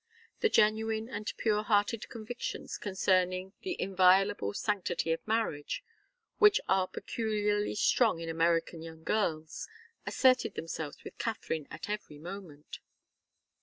The genuine and pure hearted convictions concerning the inviolable sanctity of marriage, which are peculiarly strong in American young girls, asserted themselves with Katharine at every moment.